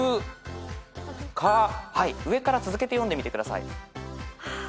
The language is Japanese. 上から続けて読んでみてください。